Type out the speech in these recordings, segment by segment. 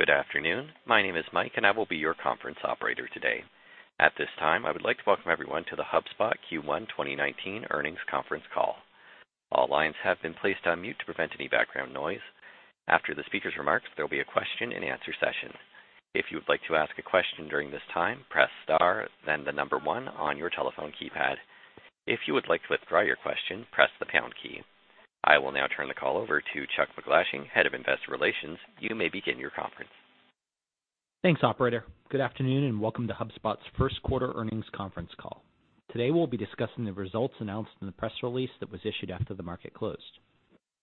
Good afternoon. My name is Mike, and I will be your conference operator today. At this time, I would like to welcome everyone to the HubSpot Q1 2019 earnings conference call. All lines have been placed on mute to prevent any background noise. After the speaker's remarks, there will be a question and answer session. If you would like to ask a question during this time, press star, then the number one on your telephone keypad. If you would like to withdraw your question, press the pound key. I will now turn the call over to Chuck MacGlashing, Head of Investor Relations. You may begin your conference. Thanks, operator. Good afternoon and welcome to HubSpot's first-quarter earnings conference call. Today, we'll be discussing the results announced in the press release that was issued after the market closed.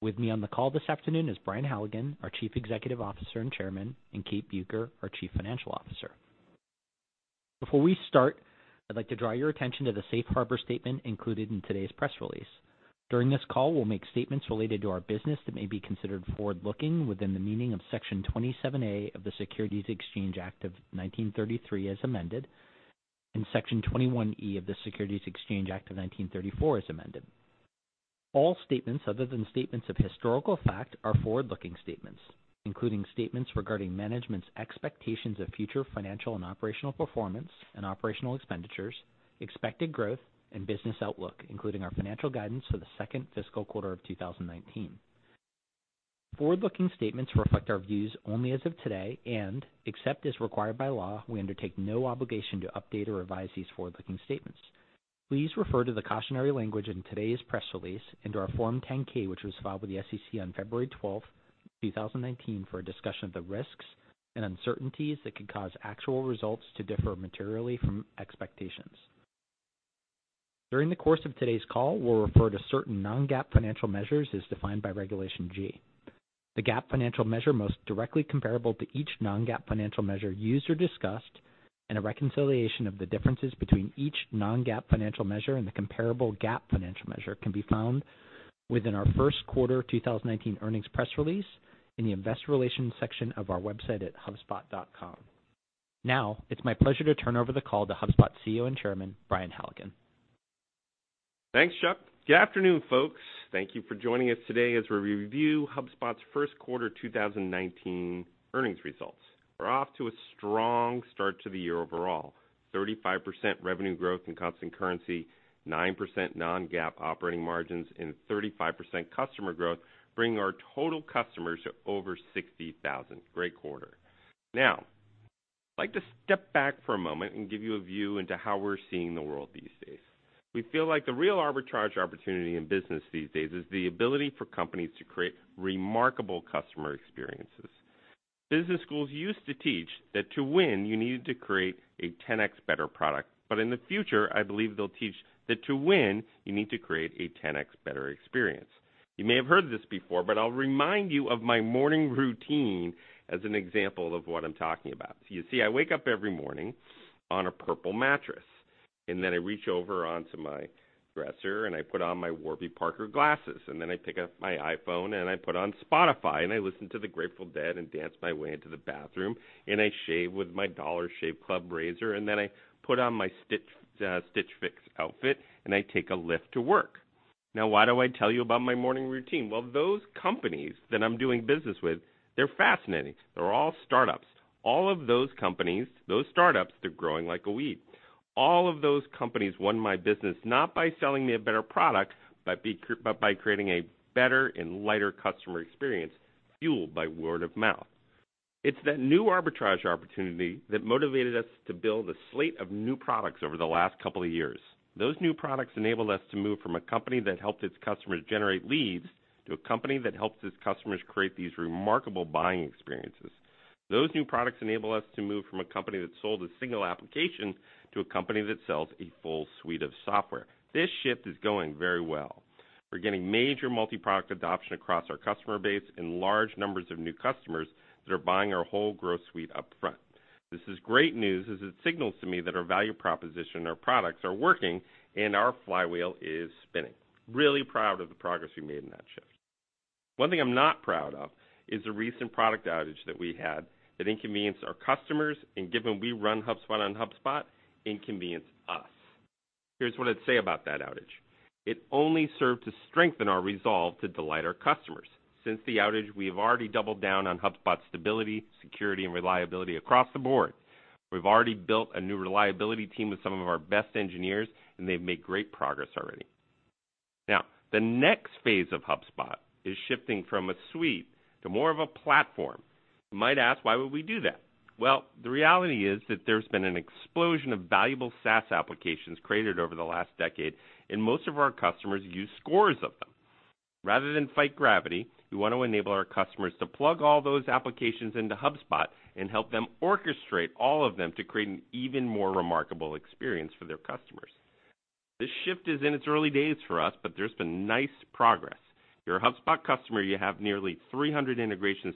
With me on the call this afternoon is Brian Halligan, our Chief Executive Officer and Chairman, and Kate Bueker, our Chief Financial Officer. Before we start, I'd like to draw your attention to the safe harbor statement included in today's press release. During this call, we'll make statements related to our business that may be considered forward-looking within the meaning of Section 27A of the Securities Act of 1933 as amended, and Section 21E of the Securities Exchange Act of 1934 as amended. All statements other than statements of historical fact are forward-looking statements, including statements regarding management's expectations of future financial and operational performance and operational expenditures, expected growth, and business outlook, including our financial guidance for the second fiscal quarter of 2019. Forward-looking statements reflect our views only as of today, and except as required by law, we undertake no obligation to update or revise these forward-looking statements. Please refer to the cautionary language in today's press release and to our Form 10-K, which was filed with the SEC on February 12th, 2019, for a discussion of the risks and uncertainties that could cause actual results to differ materially from expectations. During the course of today's call, we'll refer to certain non-GAAP financial measures as defined by Regulation G. The GAAP financial measure most directly comparable to each non-GAAP financial measure used or discussed, and a reconciliation of the differences between each non-GAAP financial measure and the comparable GAAP financial measure can be found within our first quarter 2019 earnings press release in the investor relations section of our website at hubspot.com. It's my pleasure to turn over the call to HubSpot CEO and Chairman, Brian Halligan. Thanks, Chuck. Good afternoon, folks. Thank you for joining us today as we review HubSpot's first quarter 2019 earnings results. We're off to a strong start to the year overall. 35% revenue growth in constant currency, 9% non-GAAP operating margins, and 35% customer growth, bringing our total customers to over 60,000. Great quarter. I'd like to step back for a moment and give you a view into how we're seeing the world these days. We feel like the real arbitrage opportunity in business these days is the ability for companies to create remarkable customer experiences. Business schools used to teach that to win, you needed to create a 10X better product. In the future, I believe they'll teach that to win, you need to create a 10X better experience. You may have heard this before, I'll remind you of my morning routine as an example of what I'm talking about. I wake up every morning on a Purple mattress, I reach over onto my dresser and I put on my Warby Parker glasses, I pick up my iPhone and I put on Spotify and I listen to the Grateful Dead and dance my way into the bathroom, I shave with my Dollar Shave Club razor, I put on my Stitch Fix outfit, and I take a Lyft to work. Why do I tell you about my morning routine? Those companies that I'm doing business with, they're fascinating. They're all startups. All of those companies, those startups, they're growing like a weed. All of those companies won my business not by selling me a better product, but by creating a better and lighter customer experience fueled by word of mouth. It's that new arbitrage opportunity that motivated us to build a slate of new products over the last couple of years. Those new products enabled us to move from a company that helped its customers generate leads to a company that helps its customers create these remarkable buying experiences. Those new products enable us to move from a company that sold a single application to a company that sells a full suite of software. This shift is going very well. We're getting major multi-product adoption across our customer base and large numbers of new customers that are buying our whole growth suite up front. This is great news as it signals to me that our value proposition and our products are working and our flywheel is spinning. Really proud of the progress we made in that shift. One thing I'm not proud of is the recent product outage that we had that inconvenienced our customers, and given we run HubSpot on HubSpot, inconvenienced us. Here's what I'd say about that outage. It only served to strengthen our resolve to delight our customers. Since the outage, we have already doubled down on HubSpot's stability, security, and reliability across the board. We've already built a new reliability team with some of our best engineers, and they've made great progress already. The next phase of HubSpot is shifting from a suite to more of a platform. You might ask, why would we do that? The reality is that there's been an explosion of valuable SaaS applications created over the last decade, and most of our customers use scores of them. Rather than fight gravity, we want to enable our customers to plug all those applications into HubSpot and help them orchestrate all of them to create an even more remarkable experience for their customers. This shift is in its early days for us, but there's been nice progress. If you're a HubSpot customer, you have nearly 300 integrations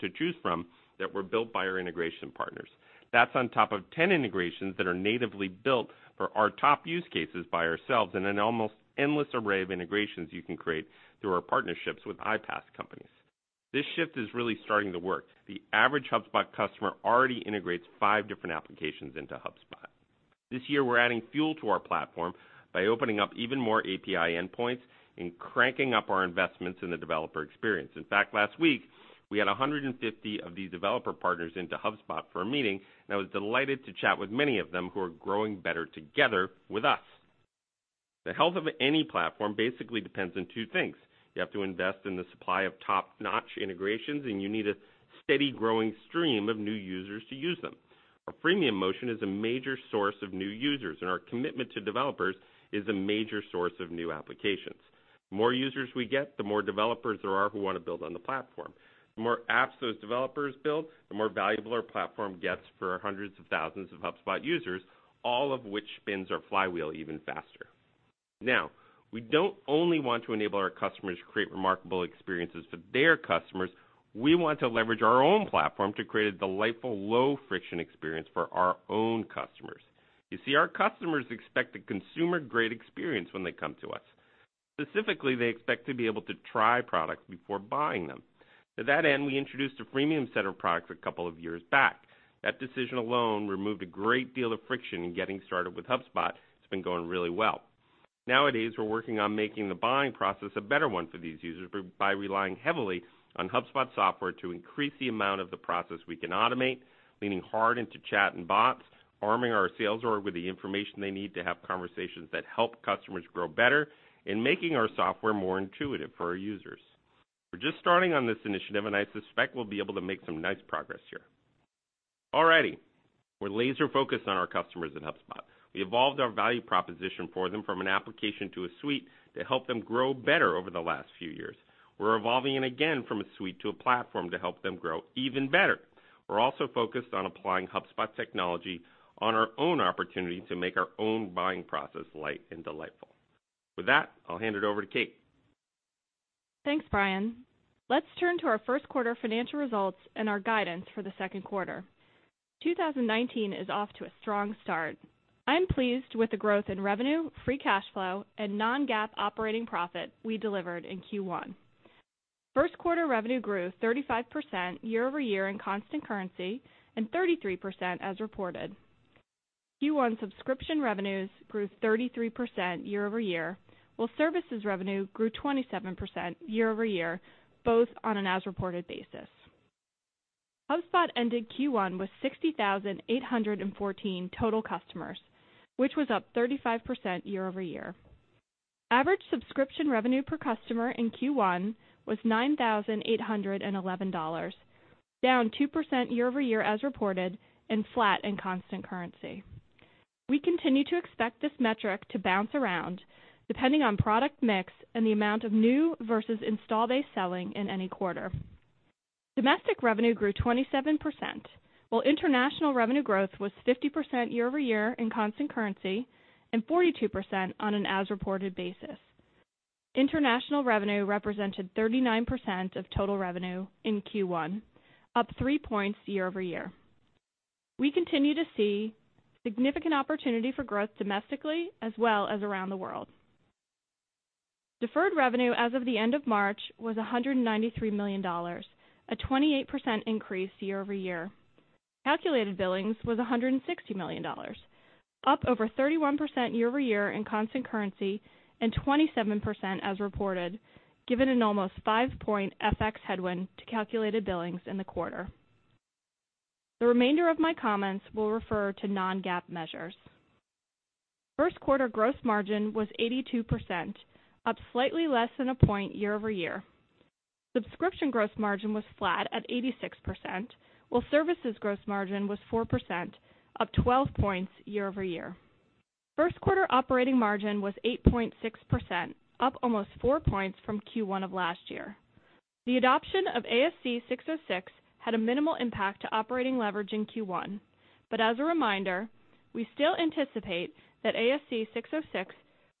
to choose from that were built by our integration partners. That's on top of 10 integrations that are natively built for our top use cases by ourselves and an almost endless array of integrations you can create through our partnerships with iPaaS companies. This shift is really starting to work. The average HubSpot customer already integrates five different applications into HubSpot. This year, we're adding fuel to our platform by opening up even more API endpoints and cranking up our investments in the developer experience. In fact, last week, we had 150 of these developer partners into HubSpot for a meeting, and I was delighted to chat with many of them who are growing better together with us. The health of any platform basically depends on two things. You have to invest in the supply of top-notch integrations, and you need a steady, growing stream of new users to use them. Our freemium motion is a major source of new users, and our commitment to developers is a major source of new applications. The more users we get, the more developers there are who want to build on the platform. The more apps those developers build, the more valuable our platform gets for our hundreds of thousands of HubSpot users, all of which spins our flywheel even faster. We don't only want to enable our customers to create remarkable experiences for their customers. We want to leverage our own platform to create a delightful, low-friction experience for our own customers. You see, our customers expect a consumer-grade experience when they come to us. Specifically, they expect to be able to try products before buying them. To that end, we introduced a freemium set of products a couple of years back. That decision alone removed a great deal of friction in getting started with HubSpot. It's been going really well. Nowadays, we're working on making the buying process a better one for these users by relying heavily on HubSpot software to increase the amount of the process we can automate, leaning hard into chat and bots, arming our sales org with the information they need to have conversations that help customers grow better, and making our software more intuitive for our users. We're just starting on this initiative, and I suspect we'll be able to make some nice progress here. All righty. We're laser-focused on our customers at HubSpot. We evolved our value proposition for them from an application to a suite to help them grow better over the last few years. We're evolving it again from a suite to a platform to help them grow even better. We're also focused on applying HubSpot's technology on our own opportunity to make our own buying process light and delightful. With that, I'll hand it over to Kate. Thanks, Brian. Let's turn to our first quarter financial results and our guidance for the second quarter. 2019 is off to a strong start. I'm pleased with the growth in revenue, free cash flow, and non-GAAP operating profit we delivered in Q1. First quarter revenue grew 35% year-over-year in constant currency and 33% as reported. Q1 subscription revenues grew 33% year-over-year, while services revenue grew 27% year-over-year, both on an as-reported basis. HubSpot ended Q1 with 60,814 total customers, which was up 35% year-over-year. Average subscription revenue per customer in Q1 was $9,811, down 2% year-over-year as reported and flat in constant currency. We continue to expect this metric to bounce around depending on product mix and the amount of new versus install-based selling in any quarter. Domestic revenue grew 27%, while international revenue growth was 50% year-over-year in constant currency and 42% on an as-reported basis. International revenue represented 39% of total revenue in Q1, up 3 points year-over-year. We continue to see significant opportunity for growth domestically as well as around the world. Deferred revenue as of the end of March was $193 million, a 28% increase year-over-year. Calculated billings was $160 million, up over 31% year-over-year in constant currency and 27% as reported given an almost 5-point FX headwind to calculated billings in the quarter. The remainder of my comments will refer to non-GAAP measures. First quarter gross margin was 82%, up slightly less than one point year-over-year. Subscription gross margin was flat at 86%, while services gross margin was 4%, up 12 points year-over-year. First quarter operating margin was 8.6%, up almost 4 points from Q1 of last year. As a reminder, we still anticipate that ASC 606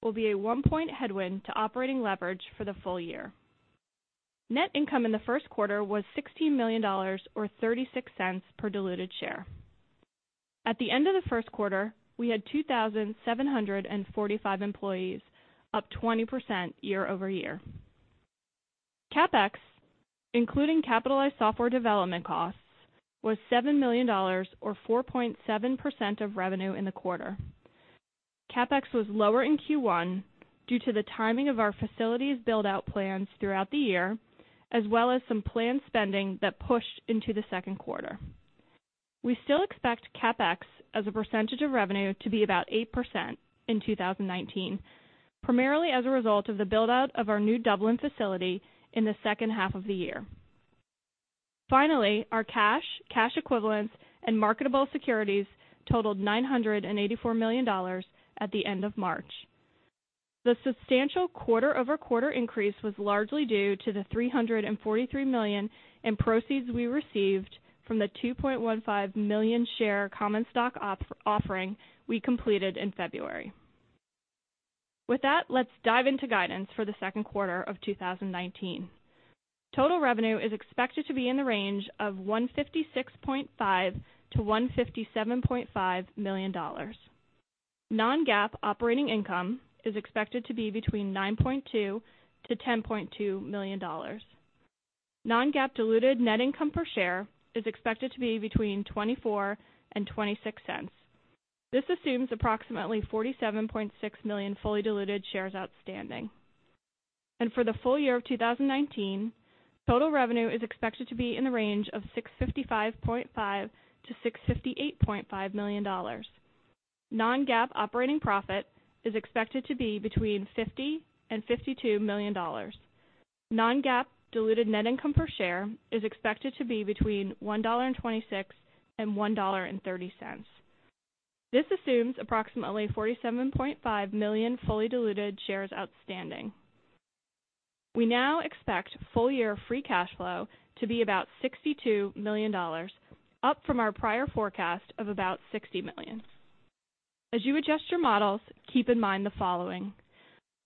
will be a one-point headwind to operating leverage for the full year. Net income in the first quarter was $16 million, or $0.36 per diluted share. At the end of the first quarter, we had 2,745 employees, up 20% year-over-year. CapEx, including capitalized software development costs, was $7 million or 4.7% of revenue in the quarter. CapEx was lower in Q1 due to the timing of our facilities build-out plans throughout the year, as well as some planned spending that pushed into the second quarter. We still expect CapEx as a percentage of revenue to be about 8% in 2019, primarily as a result of the build-out of our new Dublin facility in the second half of the year. Finally, our cash equivalents, and marketable securities totaled $984 million at the end of March. The substantial quarter-over-quarter increase was largely due to the $343 million in proceeds we received from the 2.15 million share common stock offering we completed in February. With that, let's dive into guidance for the second quarter of 2019. Total revenue is expected to be in the range of $156.5 million-$157.5 million. Non-GAAP operating income is expected to be between $9.2 million-$10.2 million. Non-GAAP diluted net income per share is expected to be between $0.24 and $0.26. This assumes approximately 47.6 million fully diluted shares outstanding. For the full year of 2019, total revenue is expected to be in the range of $655.5 million-$658.5 million. Non-GAAP operating profit is expected to be between $50 million and $52 million. Non-GAAP diluted net income per share is expected to be between $1.26 and $1.30. This assumes approximately 47.5 million fully diluted shares outstanding. We now expect full-year free cash flow to be about $62 million, up from our prior forecast of about $60 million. As you adjust your models, keep in mind the following.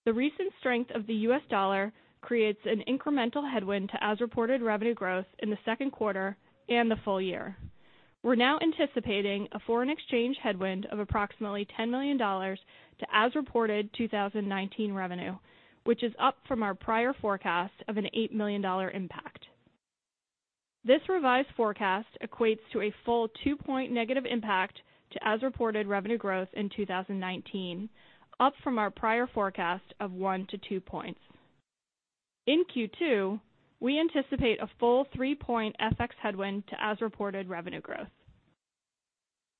The recent strength of the U.S. dollar creates an incremental headwind to as-reported revenue growth in the second quarter and the full year. We're now anticipating a foreign exchange headwind of approximately $10 million to as-reported 2019 revenue, which is up from our prior forecast of an $8 million impact. This revised forecast equates to a full two-point negative impact to as-reported revenue growth in 2019, up from our prior forecast of one to two points. In Q2, we anticipate a full three-point FX headwind to as-reported revenue growth.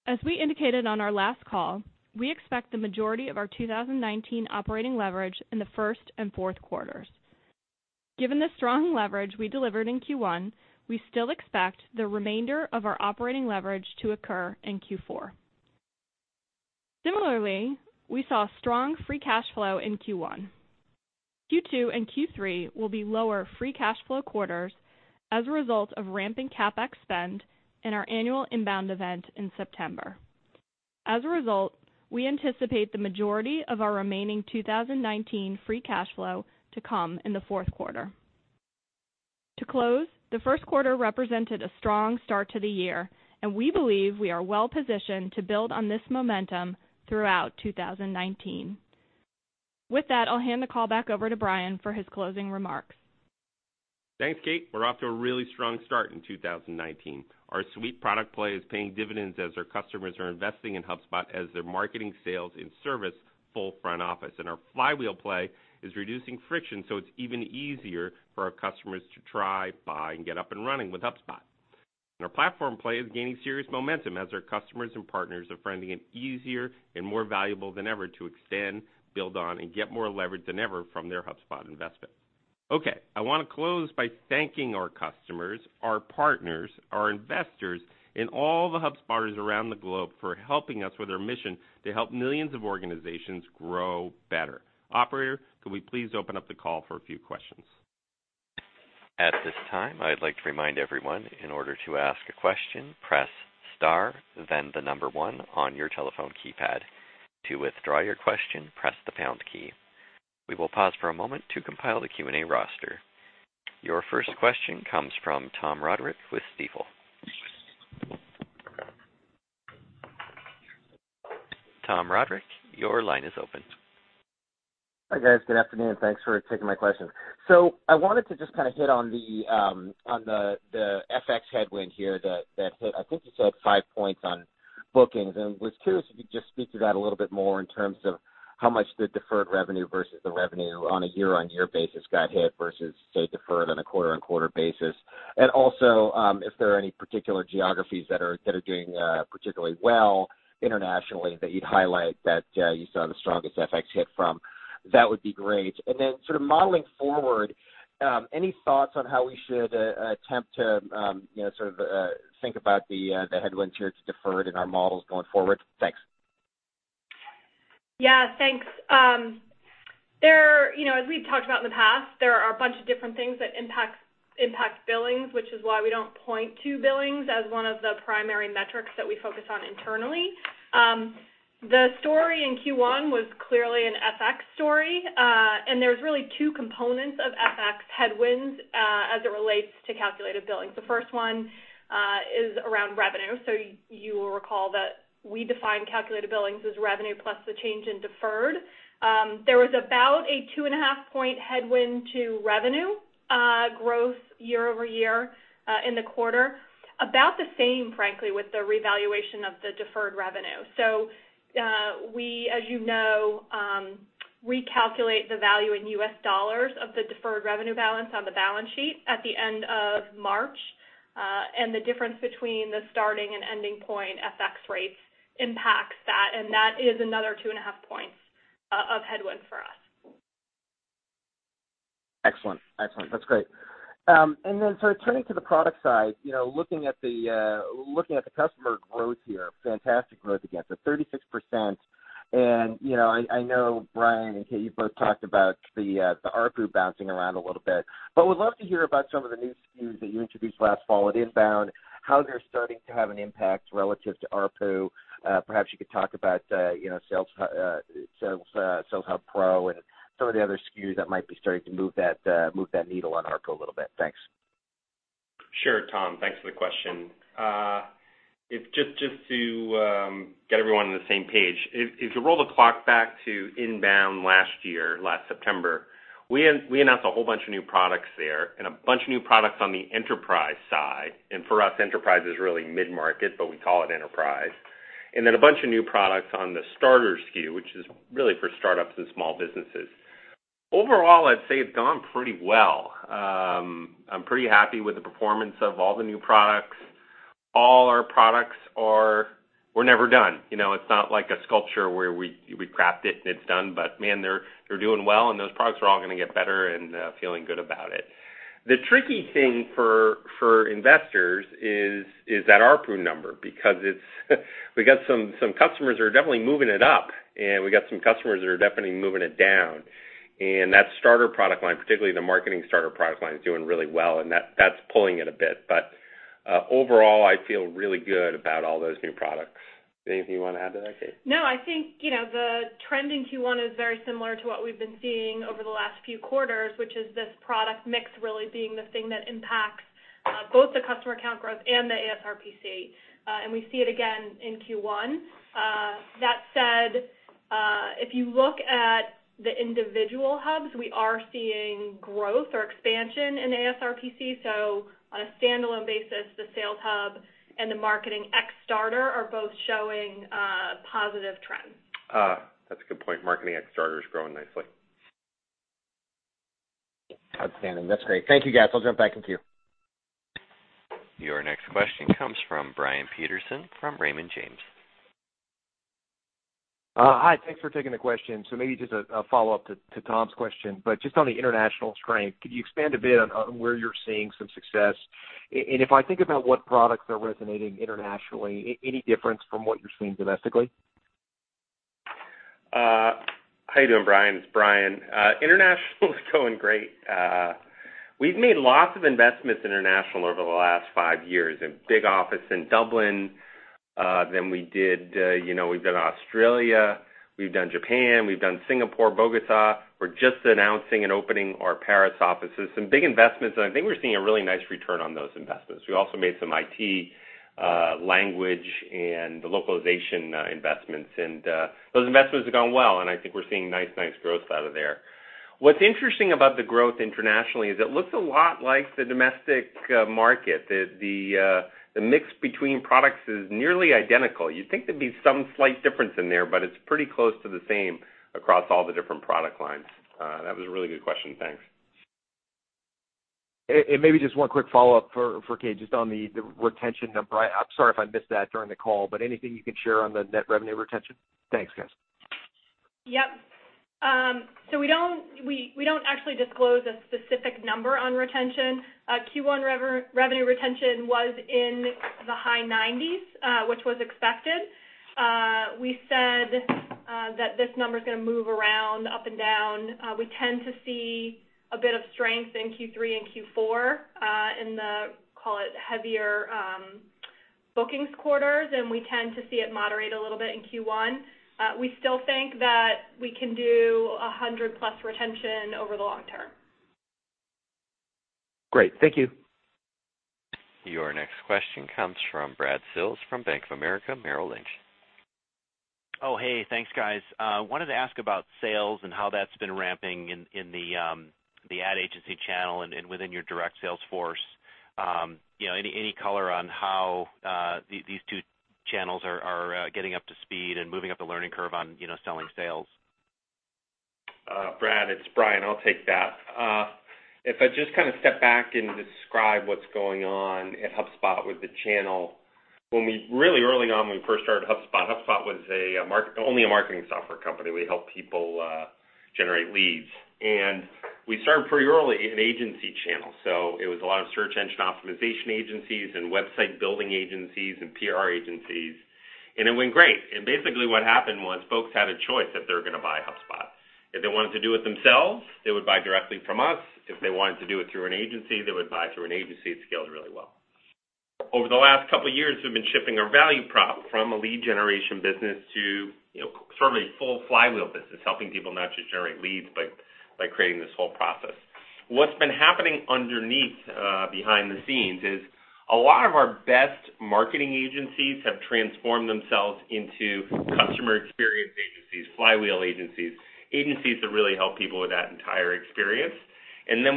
As we indicated on our last call, we expect the majority of our 2019 operating leverage in the first and fourth quarters. Given the strong leverage we delivered in Q1, we still expect the remainder of our operating leverage to occur in Q4. Similarly, we saw strong free cash flow in Q1. Q2 and Q3 will be lower free cash flow quarters as a result of ramping CapEx spend and our annual INBOUND event in September. As a result, we anticipate the majority of our remaining 2019 free cash flow to come in the fourth quarter. To close, the first quarter represented a strong start to the year, and we believe we are well-positioned to build on this momentum throughout 2019. With that, I'll hand the call back over to Brian for his closing remarks. Thanks, Kate. We're off to a really strong start in 2019. Our suite product play is paying dividends as our customers are investing in HubSpot as their marketing, sales, and service full front office. Our flywheel play is reducing friction, so it's even easier for our customers to try, buy, and get up and running with HubSpot. Our platform play is gaining serious momentum as our customers and partners are finding it easier and more valuable than ever to extend, build on, and get more leverage than ever from their HubSpot investment. Okay, I want to close by thanking our customers, our partners, our investors, and all the HubSpotters around the globe for helping us with our mission to help millions of organizations grow better. Operator, could we please open up the call for a few questions? At this time, I'd like to remind everyone, in order to ask a question, press star, then the number one on your telephone keypad. To withdraw your question, press the pound key. We will pause for a moment to compile the Q&A roster. Your first question comes from Tom Roderick with Stifel. Tom Roderick, your line is open. Hi, guys. Good afternoon. Thanks for taking my questions. I wanted to just hit on the FX headwind here that hit, I think you said five points on bookings, and was curious if you could just speak to that a little bit more in terms of how much the deferred revenue versus the revenue on a year-on-year basis got hit versus, say, deferred on a quarter-on-quarter basis. Also, if there are any particular geographies that are doing particularly well internationally that you'd highlight that you saw the strongest FX hit from, that would be great. Then modeling forward, any thoughts on how we should attempt to think about the headwinds here to deferred in our models going forward? Thanks. Thanks. As we've talked about in the past, there are a bunch of different things that impact billings, which is why we don't point to billings as one of the primary metrics that we focus on internally. The story in Q1 was clearly an FX story. There's really two components of FX headwinds as it relates to calculated billings. The first one is around revenue. You will recall that we define calculated billings as revenue plus the change in deferred. There was about a 2.5-point headwind to revenue growth year-over-year in the quarter. About the same, frankly, with the revaluation of the deferred revenue. We, as you know, recalculate the value in U.S. dollars of the deferred revenue balance on the balance sheet at the end of March. The difference between the starting and ending point FX rates impacts that, and that is another two and a half points of headwind for us. Excellent. That's great. Turning to the product side, looking at the customer growth here, fantastic growth again, 36%. I know Brian and Kate, you both talked about the ARPU bouncing around a little bit, but would love to hear about some of the new SKUs that you introduced last fall at INBOUND, how they're starting to have an impact relative to ARPU. Perhaps you could talk about Sales Hub Professional and some of the other SKUs that might be starting to move that needle on ARPU a little bit. Thanks. Sure, Tom. Thanks for the question. Just to get everyone on the same page, if you roll the clock back to INBOUND last year, last September, we announced a whole bunch of new products there, and a bunch of new products on the enterprise side. For us, enterprise is really mid-market, but we call it enterprise. A bunch of new products on the starter SKU, which is really for startups and small businesses. Overall, I'd say it's gone pretty well. I'm pretty happy with the performance of all the new products. All our products are never done. It's not like a sculpture where we craft it, and it's done, but man, they're doing well, and those products are all going to get better, and feeling good about it. The tricky thing for investors is that ARPU number, because we got some customers who are definitely moving it up, and we got some customers that are definitely moving it down. That starter product line, particularly the marketing starter product line, is doing really well, and that's pulling it a bit. Overall, I feel really good about all those new products. Anything you want to add to that, Kate? I think, the trend in Q1 is very similar to what we've been seeing over the last few quarters, which is this product mix really being the thing that impacts both the customer count growth and the ASRPC. We see it again in Q1. That said, if you look at the individual hubs, we are seeing growth or expansion in ASRPC. On a standalone basis, the Sales Hub and the Marketing Hub Starter are both showing positive trends. That's a good point. Marketing Hub Starter is growing nicely. Outstanding. That's great. Thank you, guys. I'll jump back in queue. Your next question comes from Brian Peterson from Raymond James. Thanks for taking the question. Maybe just a follow-up to Tom's question, but just on the international strength, could you expand a bit on where you're seeing some success? If I think about what products are resonating internationally, any difference from what you're seeing domestically? How you doing, Brian? It's Brian. International is going great. We've made lots of investments international over the last five years, a big office in Dublin. We've done Australia, we've done Japan, we've done Singapore, Bogota. We're just announcing and opening our Paris offices. Some big investments, I think we're seeing a really nice return on those investments. We also made some IT, language, and the localization investments, those investments have gone well, I think we're seeing nice growth out of there. What's interesting about the growth internationally is it looks a lot like the domestic market. The mix between products is nearly identical. You'd think there'd be some slight difference in there, but it's pretty close to the same across all the different product lines. That was a really good question. Thanks. Maybe just one quick follow-up for Kate, just on the retention number. I'm sorry if I missed that during the call, but anything you can share on the net revenue retention? Thanks, guys. Yep. We don't actually disclose a specific number on retention. Q1 revenue retention was in the high 90s, which was expected. We said that this number's going to move around up and down. We tend to see a bit of strength in Q3 and Q4, in the, call it heavier bookings quarters, we tend to see it moderate a little bit in Q1. We still think that we can do 100-plus retention over the long term. Great. Thank you. Your next question comes from Brad Sills from Bank of America Merrill Lynch. Hey. Thanks, guys. Wanted to ask about sales and how that's been ramping in the ad agency channel and within your direct sales force. Any color on how these two channels are getting up to speed and moving up the learning curve on selling sales? Brad, it's Brian. I'll take that. If I just kind of step back and describe what's going on at HubSpot with the channel. Really early on, when we first started HubSpot was only a marketing software company. We helped people generate leads. We started pretty early in agency channels, so it was a lot of search engine optimization agencies and website building agencies and PR agencies. It went great. Basically what happened was folks had a choice if they were going to buy HubSpot. If they wanted to do it themselves, they would buy directly from us. If they wanted to do it through an agency, they would buy through an agency. It scaled really well. Over the last couple of years, we've been shifting our value prop from a lead generation business to sort of a full flywheel business, helping people not just generate leads, but by creating this whole process. What's been happening underneath, behind the scenes is a lot of our best marketing agencies have transformed themselves into customer experience agencies, flywheel agencies that really help people with that entire experience.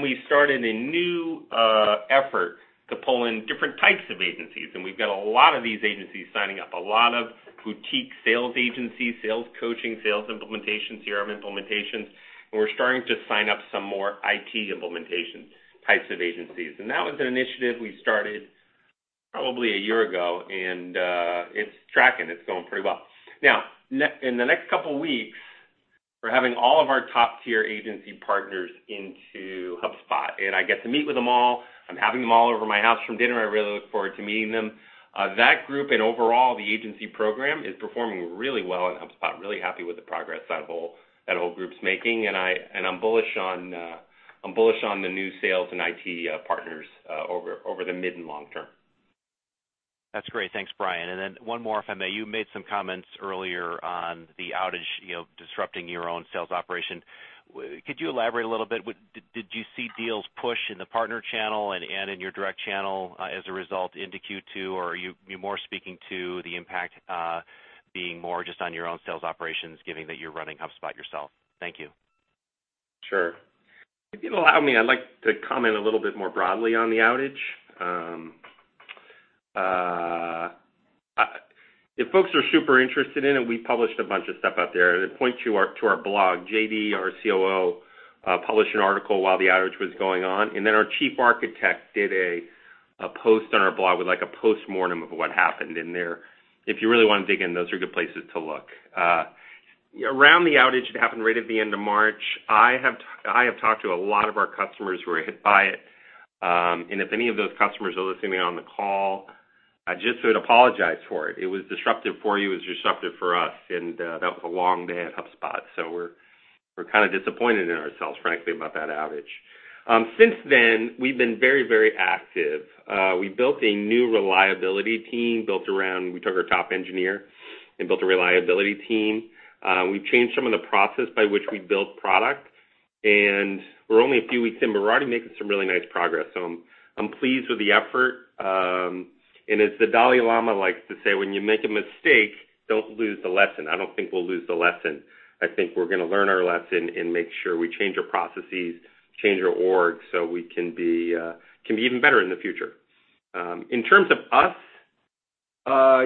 We started a new effort to pull in different types of agencies, and we've got a lot of these agencies signing up, a lot of boutique sales agencies, sales coaching, sales implementation, CRM implementations, and we're starting to sign up some more IT implementation types of agencies. That was an initiative we started probably a year ago, and it's tracking. It's going pretty well. Now, in the next couple of weeks, we're having all of our top-tier agency partners into HubSpot, and I get to meet with them all. I'm having them all over my house from dinner. I really look forward to meeting them. That group and overall, the agency program is performing really well in HubSpot. Really happy with the progress that whole group's making, and I'm bullish on the new sales and IT partners over the mid and long term. That's great. Thanks, Brian. One more, if I may. You made some comments earlier on the outage, disrupting your own sales operation. Could you elaborate a little bit? Did you see deals push in the partner channel and in your direct channel as a result into Q2? Or are you more speaking to the impact being more just on your own sales operations, given that you're running HubSpot yourself? Thank you. Sure. If you'll allow me, I'd like to comment a little bit more broadly on the outage. If folks are super interested in it, we published a bunch of stuff out there. I'd point you to our blog. JD, our COO, published an article while the outage was going on, and then our chief architect did a post on our blog with a postmortem of what happened in there. If you really want to dig in, those are good places to look. Around the outage, it happened right at the end of March. I have talked to a lot of our customers who were hit by it. If any of those customers are listening on the call, I just would apologize for it. It was disruptive for you, it was disruptive for us, and that was a long day at HubSpot. We're kind of disappointed in ourselves, frankly, about that outage. Since then, we've been very active. We built a new reliability team. We took our top engineer and built a reliability team. We've changed some of the process by which we build product, and we're only a few weeks in, but we're already making some really nice progress. I'm pleased with the effort. As the Dalai Lama likes to say, when you make a mistake, don't lose the lesson. I don't think we'll lose the lesson. I think we're going to learn our lesson and make sure we change our processes, change our org, so we can be even better in the future. In terms of us,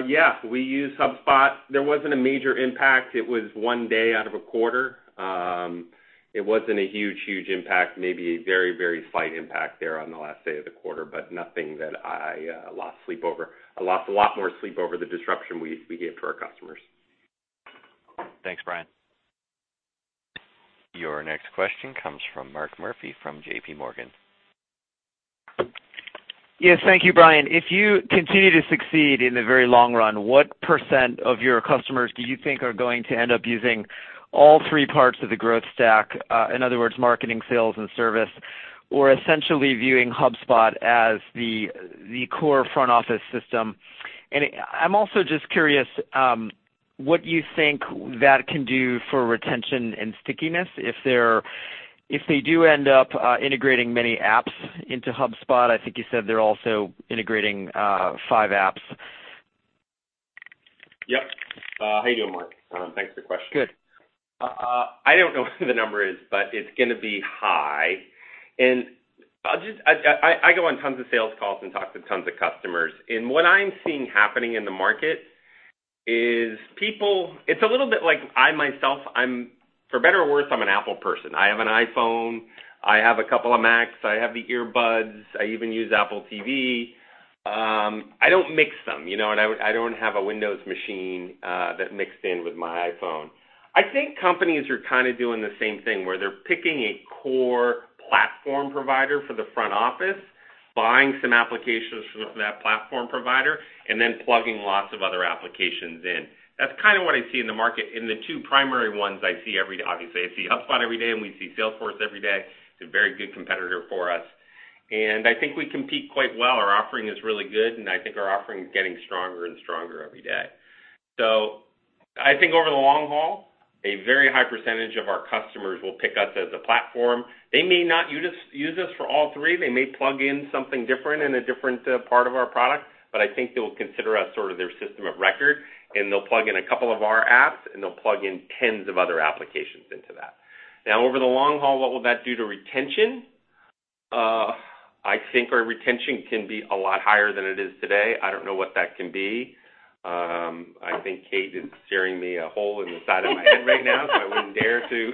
yeah, we use HubSpot. There wasn't a major impact. It was one day out of a quarter. It wasn't a huge impact, maybe a very slight impact there on the last day of the quarter, but nothing that I lost sleep over. I lost a lot more sleep over the disruption we gave to our customers. Thanks, Brian. Your next question comes from Mark Murphy from J.P. Morgan. Yes. Thank you, Brian. If you continue to succeed in the very long run, what % of your customers do you think are going to end up using all three parts of the growth stack? In other words, marketing, sales, and service, or essentially viewing HubSpot as the core front office system. I'm also just curious what you think that can do for retention and stickiness if they do end up integrating many apps into HubSpot. I think you said they're also integrating five apps. Yep. How you doing, Mark? Thanks for the question. Good. I don't know what the number is, but it's going to be high. I go on tons of sales calls and talk to tons of customers, and what I'm seeing happening in the market is people, it's a little bit like I myself, for better or worse, I'm an Apple person. I have an iPhone. I have a couple of Macs. I have the earbuds. I even use Apple TV. I don't mix them, and I don't have a Windows machine that mixed in with my iPhone. I think companies are kind of doing the same thing, where they're picking a core platform provider for the front office, buying some applications from that platform provider, and then plugging lots of other applications in. That's kind of what I see in the market. The two primary ones I see every day, obviously, I see HubSpot every day, and we see Salesforce every day. It's a very good competitor for us, I think we compete quite well. Our offering is really good, I think our offering is getting stronger and stronger every day. I think over the long haul, a very high % of our customers will pick us as a platform. They may not use us for all three. They may plug in something different in a different part of our product, but I think they'll consider us sort of their system of record, they'll plug in a couple of our apps, they'll plug in tens of other applications into that. Over the long haul, what will that do to retention? I think our retention can be a lot higher than it is today. I don't know what that can be. I think Kate is staring me a hole in the side of my head right now, I wouldn't dare to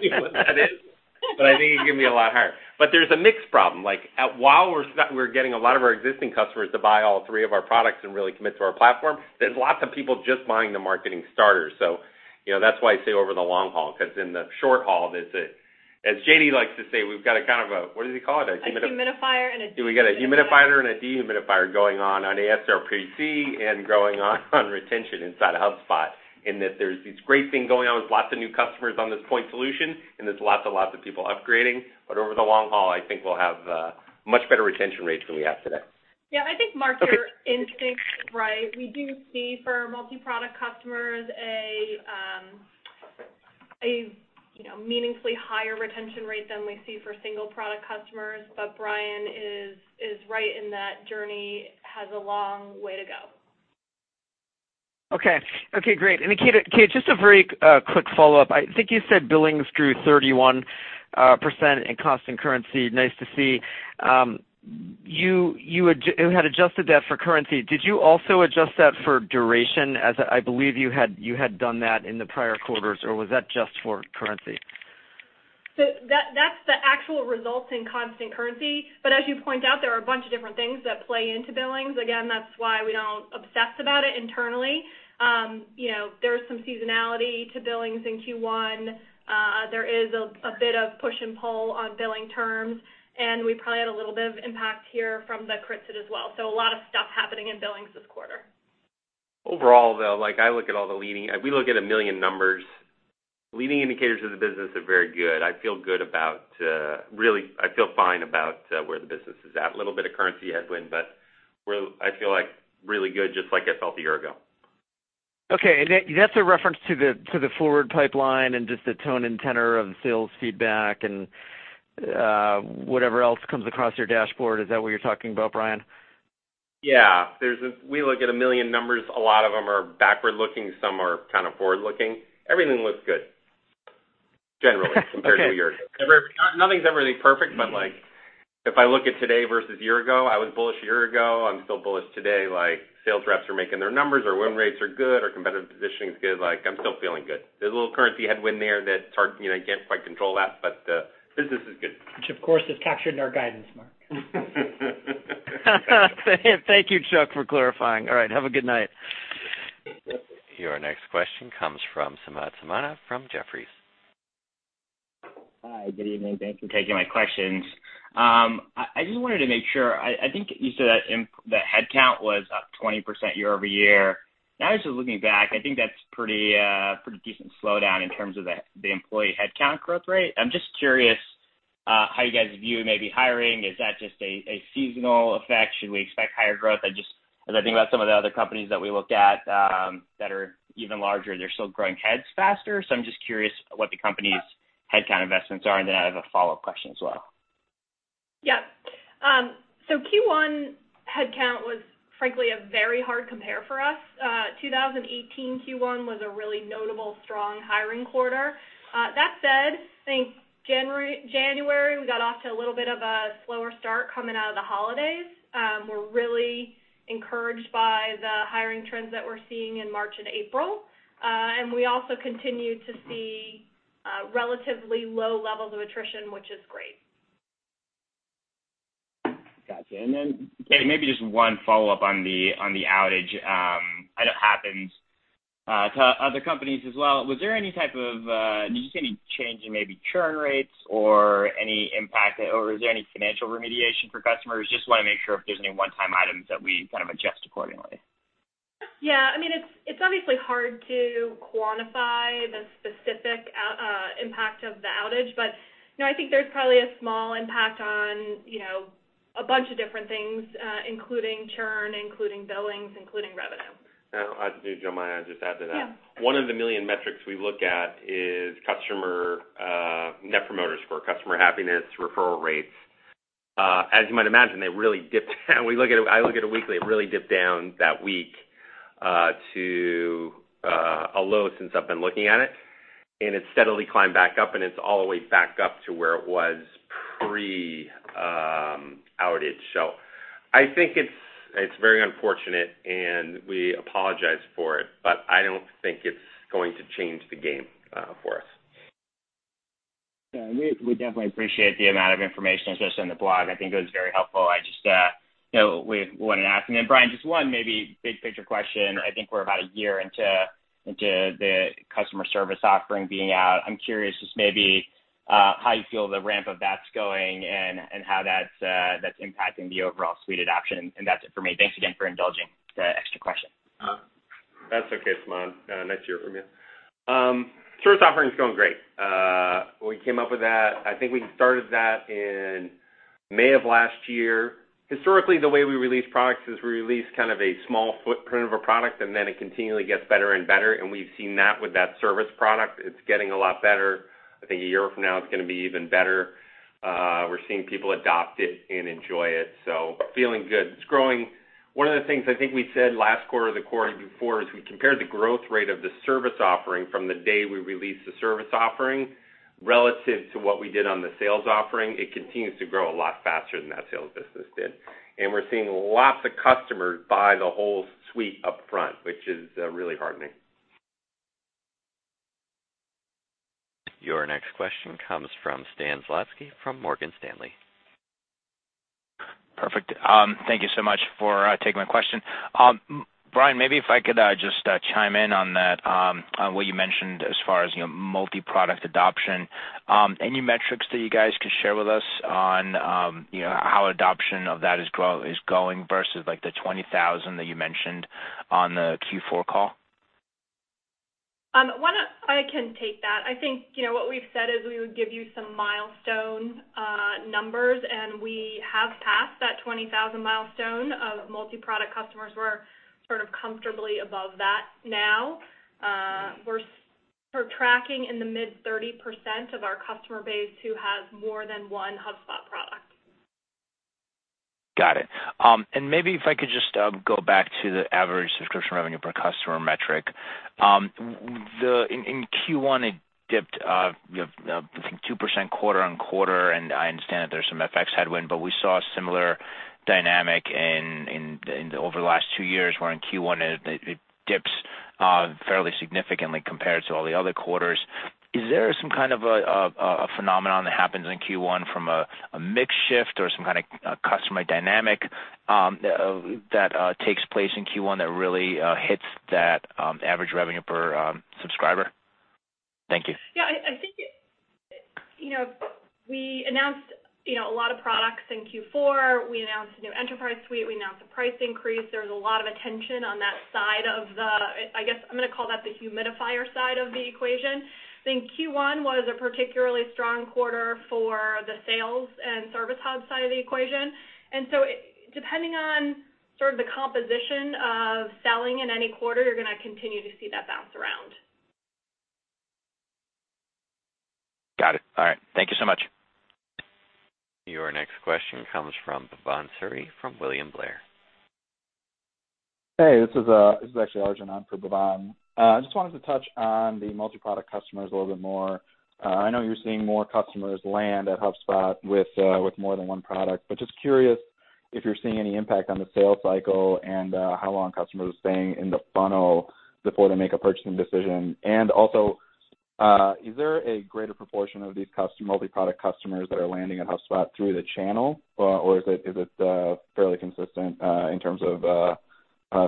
say what that is, but I think it can be a lot higher. There's a mix problem, like while we're getting a lot of our existing customers to buy all three of our products and really commit to our platform, there's lots of people just buying the Marketing Hub Starter. That's why I say over the long haul, because in the short haul, as J.D. likes to say, we've got a kind of a, what does he call it? A humidifier and a dehumidifier. We got a humidifier and a dehumidifier going on ASRPC and going on retention inside of HubSpot, in that there's these great things going on with lots of new customers on this point solution, and there's lots of people upgrading. Over the long haul, I think we'll have much better retention rates than we have today. Yeah. I think, Mark, your instinct's right. We do see for our multi-product customers a meaningfully higher retention rate than we see for single-product customers. Brian is right in that journey has a long way to go. Okay, great. Kate, just a very quick follow-up. I think you said billings grew 31% in constant currency. Nice to see. You had adjusted that for currency. Did you also adjust that for duration, as I believe you had done that in the prior quarters, or was that just for currency? That's the actual results in constant currency. As you point out, there are a bunch of different things that play into billings. Again, that's why we don't obsess about it internally. There is some seasonality to billings in Q1. There is a bit of push and pull on billing terms, and we probably had a little bit of impact here from the crypto as well. A lot of stuff happening in billings this quarter. Overall though, we look at a million numbers. Leading indicators of the business are very good. I feel fine about where the business is at. A little bit of currency headwind, but I feel really good, just like I felt a year ago. Okay. That's a reference to the forward pipeline and just the tone and tenor of the sales feedback and whatever else comes across your dashboard. Is that what you're talking about, Brian? Yeah. We look at a million numbers. A lot of them are backward-looking, some are forward-looking. Everything looks good, generally, compared to a year ago. Okay. Nothing's ever really perfect, but if I look at today versus a year ago, I was bullish a year ago, I'm still bullish today. Sales reps are making their numbers. Our win rates are good. Our competitive positioning is good. I'm still feeling good. There's a little currency headwind there that you can't quite control that, but the business is good. Which, of course, is captured in our guidance, Mark. Thank you, Chuck, for clarifying. All right. Have a good night. Your next question comes from Samad Samana from Jefferies. Hi. Good evening. Thanks for taking my questions. I just wanted to make sure, I think you said that headcount was up 20% year-over-year. I was just looking back, I think that's pretty decent slowdown in terms of the employee headcount growth rate. I'm just curious how you guys view maybe hiring. Is that just a seasonal effect? Should we expect higher growth? As I think about some of the other companies that we looked at that are even larger, they're still growing heads faster. I'm just curious what the company's headcount investments are, and then I have a follow-up question as well. Yeah. Q1 headcount was frankly a very hard compare for us. 2018 Q1 was a really notable strong hiring quarter. That said, I think January, we got off to a little bit of a slower start coming out of the holidays. We're really encouraged by the hiring trends that we're seeing in March and April. We also continue to see relatively low levels of attrition, which is great. Got you. Then, Kate, maybe just one follow-up on the outage. I know it happens to other companies as well. Did you see any change in maybe churn rates or any impact, or was there any financial remediation for customers? Just want to make sure if there's any one-time items that we kind of adjust accordingly. Yeah. It's obviously hard to quantify the specific impact of the outage, but I think there's probably a small impact on a bunch of different things, including churn, including billings, including revenue. I'll just jump in. I'll just add to that. Yeah. One of the million metrics we look at is customer net promoter score, customer happiness, referral rates. As you might imagine, they really dipped down. I look at it weekly. It really dipped down that week to a low since I've been looking at it, and it steadily climbed back up, and it's all the way back up to where it was pre-outage. I think it's very unfortunate, and we apologize for it, but I don't think it's going to change the game for us. Yeah. We definitely appreciate the amount of information, especially on the blog. I think it was very helpful. I just wanted to ask. Brian, just one maybe big-picture question. I think we're about a year into the customer service offering being out. I'm curious just maybe how you feel the ramp of that's going and how that's impacting the overall suite adoption. That's it for me. Thanks again for indulging the extra question. That's okay, Samad. Nice to hear from you. Service offering's going great. We came up with that, I think we started that in May of last year. Historically, the way we release products is we release kind of a small footprint of a product, and then it continually gets better and better, and we've seen that with that service product. It's getting a lot better. I think a year from now, it's going to be even better. We're seeing people adopt it and enjoy it, so feeling good. It's growing. One of the things I think we said last quarter, the quarter before, is we compared the growth rate of the service offering from the day we released the service offering relative to what we did on the sales offering. It continues to grow a lot faster than that sales business did. We're seeing lots of customers buy the whole suite upfront, which is really heartening. Your next question comes from Stan Zlotnik from Morgan Stanley. Perfect. Thank you so much for taking my question. Brian, maybe if I could just chime in on what you mentioned as far as multi-product adoption. Any metrics that you guys could share with us on how adoption of that is going versus the 20,000 that you mentioned on the Q4 call? I can take that. I think what we've said is we would give you some milestone numbers, and we have passed that 20,000 milestone of multi-product customers. We're sort of comfortably above that now. We're tracking in the mid 30% of our customer base who has more than one HubSpot product. Got it. Maybe if I could just go back to the average subscription revenue per customer metric. In Q1, it dipped I think 2% quarter-on-quarter, and I understand that there's some FX headwind, but we saw a similar dynamic over the last two years where in Q1 it dips fairly significantly compared to all the other quarters. Is there some kind of a phenomenon that happens in Q1 from a mix shift or some kind of customer dynamic that takes place in Q1 that really hits that average revenue per subscriber? Thank you. We announced a lot of products in Q4. We announced a new enterprise suite. We announced a price increase. There was a lot of attention on that side of the, I'm going to call that the humidifier side of the equation. Q1 was a particularly strong quarter for the Sales and Service Hub side of the equation. Depending on sort of the composition of selling in any quarter, you're going to continue to see that bounce around. Got it. All right. Thank you so much. Your next question comes from Bhavan Suri from William Blair. Hey, this is actually Arjun on for Bhavan. Just wanted to touch on the multi-product customers a little bit more. I know you're seeing more customers land at HubSpot with more than one product, but just curious if you're seeing any impact on the sales cycle and how long customers are staying in the funnel before they make a purchasing decision. Also, is there a greater proportion of these multi-product customers that are landing at HubSpot through the channel? Is it fairly consistent in terms of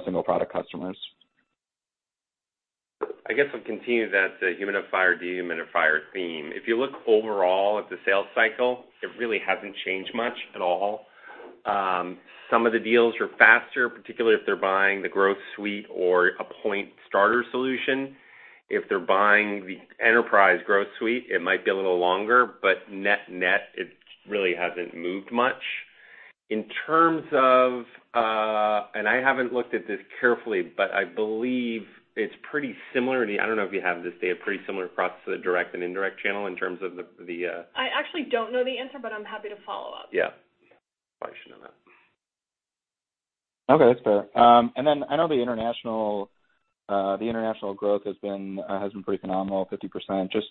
single-product customers? I guess I'll continue that humidifier, dehumidifier theme. If you look overall at the sales cycle, it really hasn't changed much at all. Some of the deals are faster, particularly if they're buying the growth suite or a point starter solution. If they're buying the enterprise growth suite, it might be a little longer. Net, it really hasn't moved much. I haven't looked at this carefully, but I believe it's pretty similar. I don't know if you have this data, pretty similar across the direct and indirect channel. I actually don't know the answer, but I'm happy to follow up. Yeah. Probably should know that. Okay. That's fair. I know the international growth has been pretty phenomenal, 50%. Just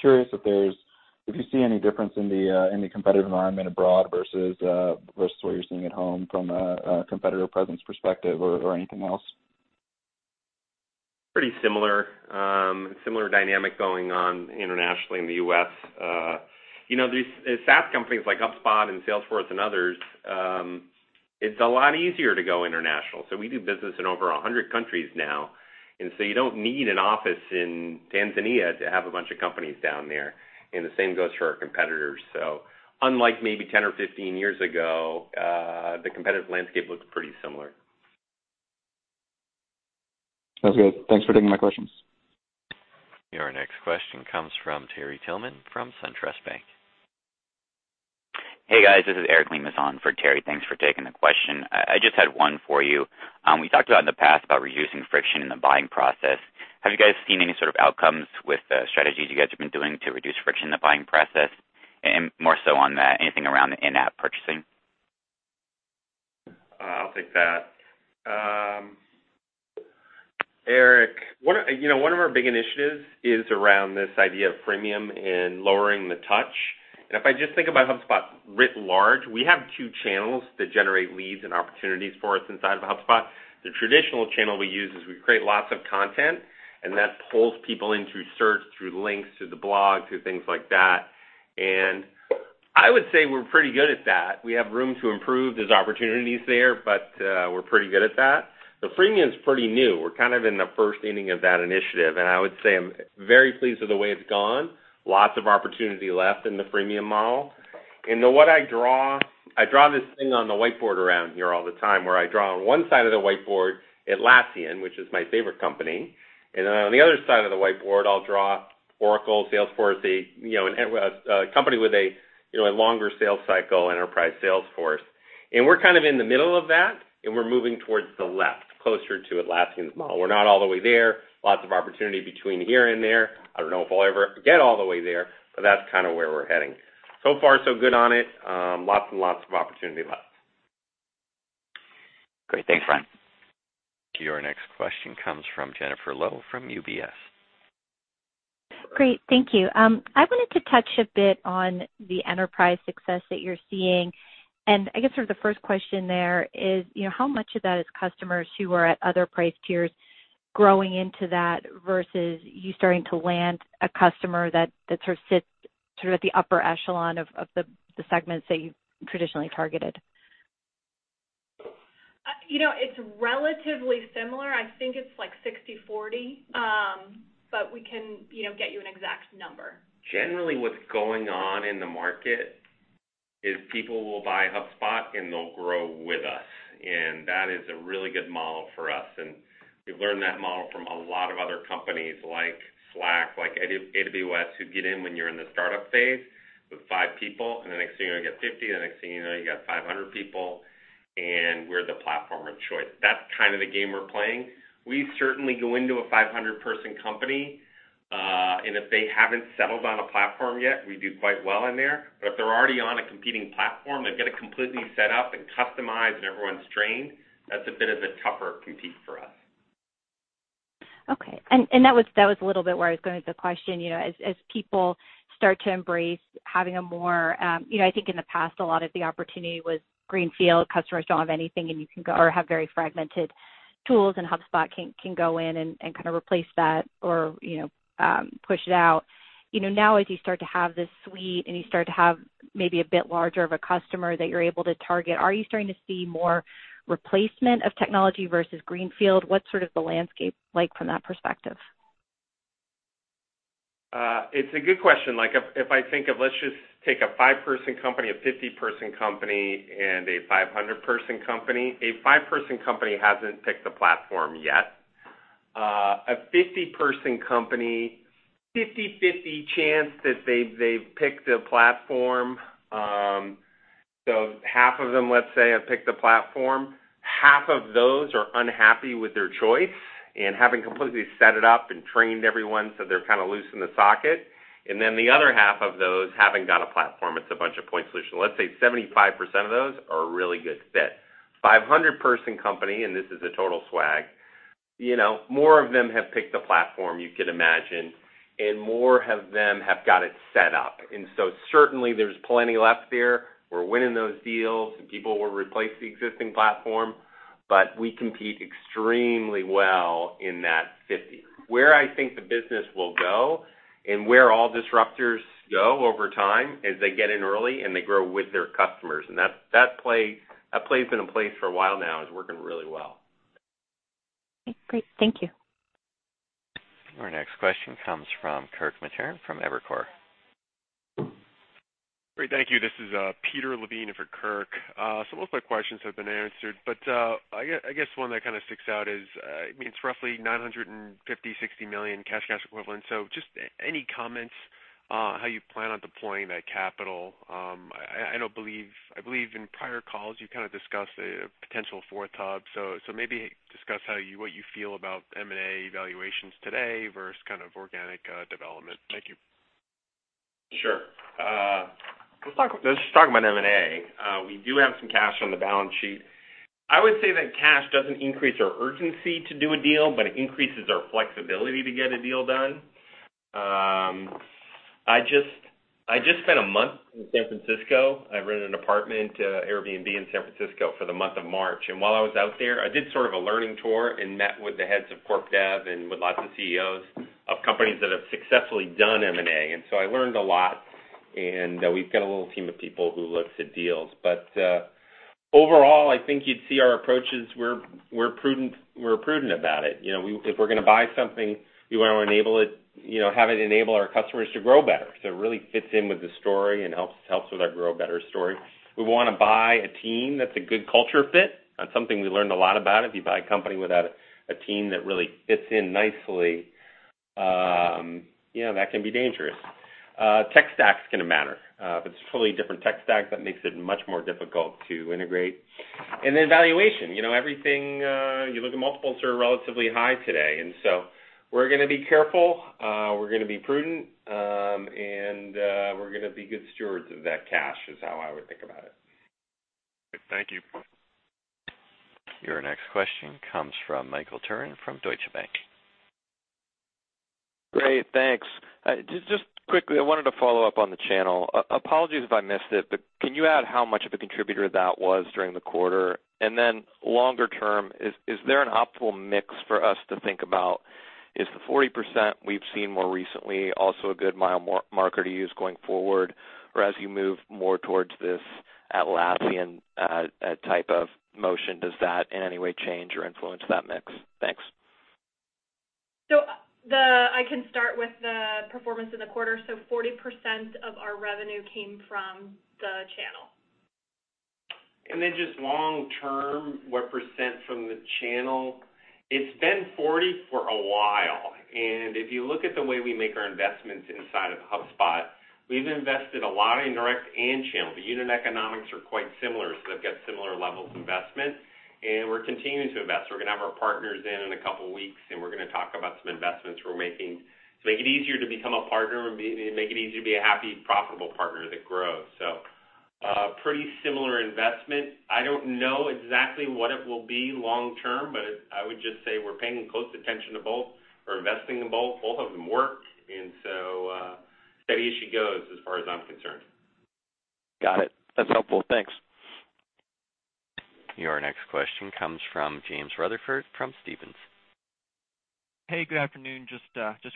curious if you see any difference in the competitive environment abroad versus what you're seeing at home from a competitor presence perspective or anything else? Pretty similar dynamic going on internationally, in the U.S. These SaaS companies like HubSpot and Salesforce and others, it's a lot easier to go international. We do business in over 100 countries now, you don't need an office in Tanzania to have a bunch of companies down there, and the same goes for our competitors. Unlike maybe 10 or 15 years ago, the competitive landscape looks pretty similar. That's good. Thanks for taking my questions. Your next question comes from Terry Tillman from SunTrust. Hey, guys, this is Eric Lemus on for Terry. Thanks for taking the question. I just had one for you. We talked about in the past about reducing friction in the buying process. Have you guys seen any sort of outcomes with the strategies you guys have been doing to reduce friction in the buying process, and more so on anything around the in-app purchasing? I'll take that. Eric, one of our big initiatives is around this idea of freemium and lowering the touch. If I just think about HubSpot writ large, we have two channels that generate leads and opportunities for us inside of HubSpot. The traditional channel we use is we create lots of content, and that pulls people in through search, through links to the blog, through things like that. I would say we're pretty good at that. We have room to improve. There's opportunities there, but we're pretty good at that. The freemium's pretty new. We're kind of in the first inning of that initiative, I would say I'm very pleased with the way it's gone. Lots of opportunity left in the freemium model. What I draw, I draw this thing on the whiteboard around here all the time, where I draw on one side of the whiteboard Atlassian, which is my favorite company, and then on the other side of the whiteboard, I'll draw Oracle, Salesforce, a company with a longer sales cycle, enterprise sales force. We're kind of in the middle of that, and we're moving towards the left, closer to Atlassian's model. We're not all the way there. Lots of opportunity between here and there. I don't know if I'll ever get all the way there, but that's kind of where we're heading. So far so good on it. Lots and lots of opportunity left. Great. Thanks, Brian. Your next question comes from Jennifer Lowe from UBS. Great. Thank you. I wanted to touch a bit on the enterprise success that you're seeing. I guess sort of the first question there is, how much of that is customers who are at other price tiers growing into that versus you starting to land a customer that sort of sits at the upper echelon of the segments that you've traditionally targeted? It's relatively similar. I think it's like 60/40. We can get you an exact number. Generally, what's going on in the market is people will buy HubSpot, and they'll grow with us, and that is a really good model for us. We've learned that model from a lot of other companies like Slack, like AWS, who get in when you're in the startup phase with five people, and the next thing you know, you got 50, the next thing you know, you got 500 people, and we're the platform of choice. That's kind of the game we're playing. We certainly go into a 500-person company, and if they haven't settled on a platform yet, we do quite well in there. If they're already on a competing platform, they've got it completely set up and customized and everyone's trained, that's a bit of a tougher compete for us. Okay. That was a little bit where I was going with the question. As people start to embrace having a more I think in the past, a lot of the opportunity was greenfield. Customers don't have anything, or have very fragmented tools, and HubSpot can go in and kind of replace that or push it out. Now, as you start to have this suite and you start to have maybe a bit larger of a customer that you're able to target, are you starting to see more replacement of technology versus greenfield? What's sort of the landscape like from that perspective? It's a good question. If I think of, let's just take a five-person company, a 50-person company, and a 500-person company. A five-person company hasn't picked a platform yet. A 50-person company, 50/50 chance that they've picked a platform. Half of them, let's say, have picked a platform. Half of those are unhappy with their choice and haven't completely set it up and trained everyone, so they're kind of loose in the socket. The other half of those haven't got a platform. It's a bunch of point solutions. Let's say 75% of those are a really good fit. 500-person company, and this is a total swag. More of them have picked a platform, you could imagine, and more of them have got it set up. Certainly there's plenty left there. We're winning those deals, and people will replace the existing platform. We compete extremely well in that 50. Where I think the business will go and where all disruptors go over time is they get in early, and they grow with their customers. That play has been in place for a while now, is working really well. Okay, great. Thank you. Our next question comes from Kirk Materne from Evercore. Great. Thank you. This is Peter Levine in for Kirk. Most of my questions have been answered, but I guess one that kind of sticks out is, it's roughly $950 million-$960 million cash equivalents. Just any comments on how you plan on deploying that capital? I believe in prior calls you kind of discussed a potential fourth Hub, maybe discuss what you feel about M&A valuations today versus kind of organic development. Thank you. Sure. Let's just talk about M&A. We do have some cash on the balance sheet. I would say that cash doesn't increase our urgency to do a deal, but it increases our flexibility to get a deal done. I just spent a month in San Francisco. I rented an apartment, Airbnb in San Francisco for the month of March. While I was out there, I did sort of a learning tour and met with the heads of corp dev and with lots of CEOs of companies that have successfully done M&A. I learned a lot, and we've got a little team of people who looks at deals. Overall, I think you'd see our approach is we're prudent about it. If we're going to buy something, we want to have it enable our customers to grow better. It really fits in with the story and helps with our Grow Better story. We want to buy a team that's a good culture fit. That's something we learned a lot about. If you buy a company without a team that really fits in nicely, that can be dangerous. Tech stack's going to matter. If it's a totally different tech stack, that makes it much more difficult to integrate. Then valuation. You look at multiples are relatively high today. So we're going to be careful, we're going to be prudent, and we're going to be good stewards of that cash, is how I would think about it. Thank you. Your next question comes from Michael Turrin from Deutsche Bank. Great. Thanks. Just quickly, I wanted to follow up on the channel. Apologies if I missed it, but can you add how much of a contributor that was during the quarter? Then longer term, is there an optimal mix for us to think about? Is the 40% we've seen more recently also a good mile marker to use going forward? Or as you move more towards this Atlassian type of motion, does that in any way change or influence that mix? Thanks. I can start with the performance in the quarter. 40% of our revenue came from the channel. Just long term, what percent from the channel? It's been 40% for a while, and if you look at the way we make our investments inside of HubSpot, we've invested a lot in direct and channel. The unit economics are quite similar, so they've got similar levels of investment, and we're continuing to invest. We're going to have our partners in a couple of weeks, and we're going to talk about some investments we're making to make it easier to become a partner and make it easier to be a happy, profitable partner that grows. Pretty similar investment. I don't know exactly what it will be long term, but I would just say we're paying close attention to both. We're investing in both. Both of them work, steady as she goes, as far as I'm concerned. Got it. That's helpful. Thanks. Your next question comes from James Rutherford from Stephens. Hey, good afternoon. Just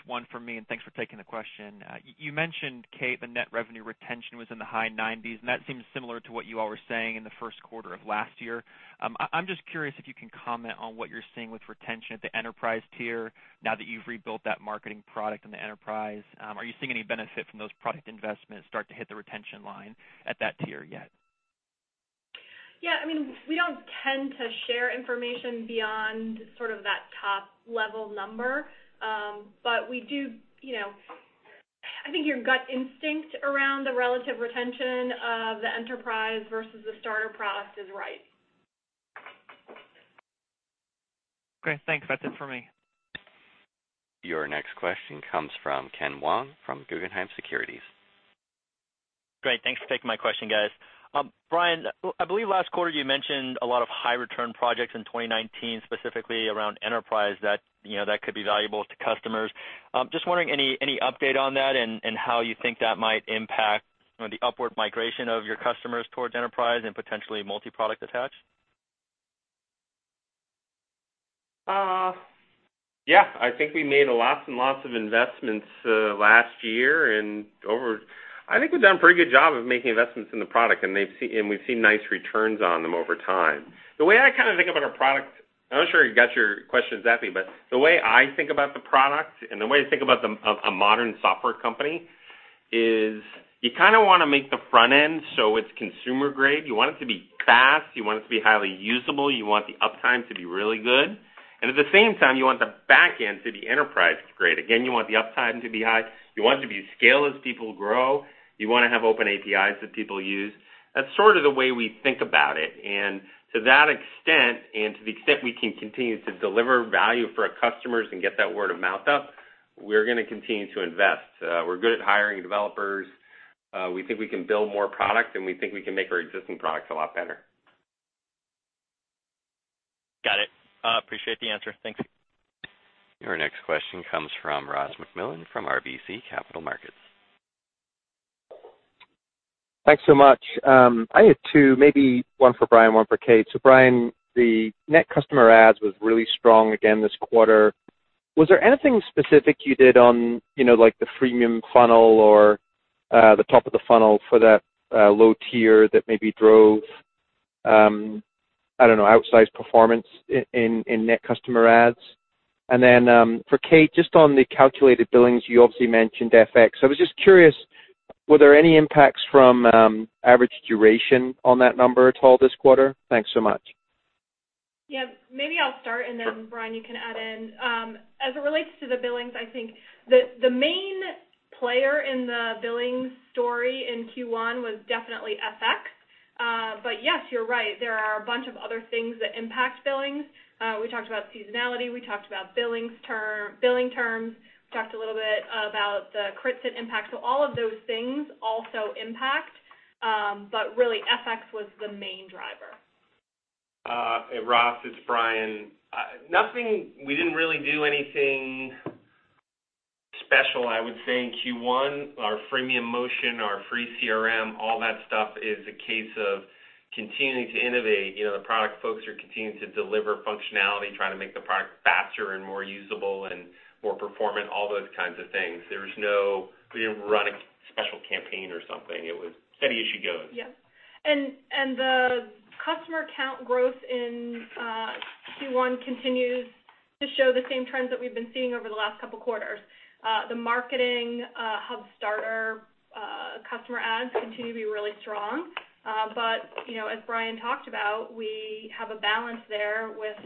one from me, and thanks for taking the question. You mentioned, Kate, the net revenue retention was in the high 90s, and that seems similar to what you all were saying in the first quarter of last year. I'm just curious if you can comment on what you're seeing with retention at the enterprise tier now that you've rebuilt that marketing product in the enterprise. Are you seeing any benefit from those product investments start to hit the retention line at that tier yet? Yeah. We don't tend to share information beyond sort of that top-level number. I think your gut instinct around the relative retention of the enterprise versus the starter product is right. Great. Thanks. That's it for me. Your next question comes from Ken Wong from Guggenheim Securities. Great. Thanks for taking my question, guys. Brian, I believe last quarter you mentioned a lot of high-return projects in 2019, specifically around enterprise, that could be valuable to customers. Just wondering, any update on that and how you think that might impact the upward migration of your customers towards enterprise and potentially multi-product attached? I think we made lots and lots of investments last year, and I think we've done a pretty good job of making investments in the product, and we've seen nice returns on them over time. The way I kind of think about our product. I'm not sure I got your questions, but the way I think about the product and the way I think about a modern software company is you kind of want to make the front end so it's consumer grade. You want it to be fast, you want it to be highly usable, you want the uptime to be really good. At the same time, you want the back end to the enterprise grade. Again, you want the uptime to be high. You want it to be scale as people grow. You want to have open APIs that people use. That's sort of the way we think about it. To that extent, and to the extent we can continue to deliver value for our customers and get that word of mouth up, we're going to continue to invest. We're good at hiring developers. We think we can build more product, and we think we can make our existing products a lot better. Got it. Appreciate the answer. Thanks. Your next question comes from Ross MacMillan from RBC Capital Markets. Thanks so much. I had two, maybe one for Brian, one for Kate. Brian, the net customer adds was really strong again this quarter. Was there anything specific you did on the freemium funnel or the top of the funnel for that low tier that maybe drove, I don't know, outsized performance in net customer adds? For Kate, just on the calculated billings, you obviously mentioned FX. I was just curious, were there any impacts from average duration on that number at all this quarter? Thanks so much. Maybe I'll start, Brian, you can add in. As it relates to the billings, I think the main player in the billings story in Q1 was definitely FX. Yes, you're right, there are a bunch of other things that impact billings. We talked about seasonality, we talked about billing terms, we talked a little bit about the crypto impact. All of those things also impact, but really FX was the main driver. Hey, Ross, it's Brian. We didn't really do anything special, I would say in Q1. Our freemium motion, our free CRM, all that stuff is a case of continuing to innovate. The product folks are continuing to deliver functionality, trying to make the product faster and more usable and more performant, all those kinds of things. We didn't run a special campaign or something. It was steady as she goes. The customer count growth in Q1 continues to show the same trends that we've been seeing over the last couple of quarters. The Marketing Hub Starter customer adds continue to be really strong. As Brian talked about, we have a balance there with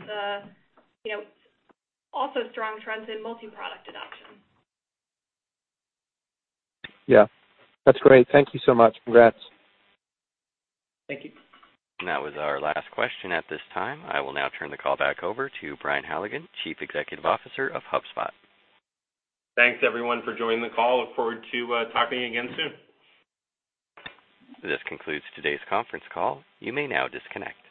also strong trends in multi-product adoption. Yeah. That's great. Thank you so much. Congrats. Thank you. That was our last question at this time. I will now turn the call back over to Brian Halligan, Chief Executive Officer of HubSpot. Thanks everyone for joining the call. Look forward to talking again soon. This concludes today's conference call. You may now disconnect.